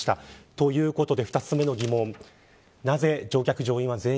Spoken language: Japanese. ということで２つ目の疑問。